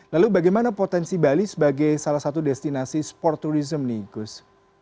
lalu bagaimana potensi bali sebagai salah satu destinasi sport tourism nih gus